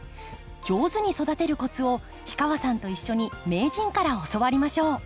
上手に育てるコツを氷川さんと一緒に名人から教わりましょう。